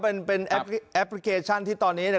เป็นแอปกระเกชชั่นที่ตอนนี้เนี่ย